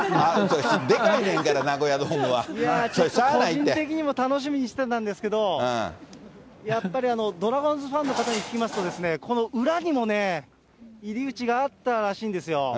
分からへんから、個人的にも楽しみにしてたんですけど、やっぱりドラゴンズファンの方に聞きますとね、この裏にもね、入り口があったらしいんですよ。